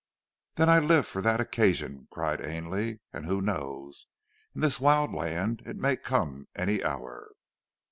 "Then I live for that occasion!" cried Ainley. "And who knows? In this wild land it may come any hour!"